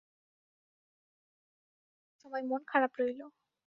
তাঁর ঘর থেকে ফিরে আমার বেশ কিছু সময় মন-খারাপ রইল।